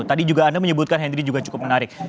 tadi juga anda menyebutkan henry juga cukup menarik